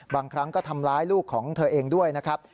บางครั้งก็ทำร้ายลูกของเธอเองด้วยนะครับ